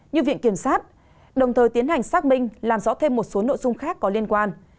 như viện kiểm sát đồng thời tiến hành xác minh làm rõ thêm một số nội dung khác có liên quan